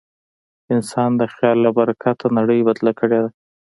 انسان د خیال له برکته نړۍ بدله کړې ده.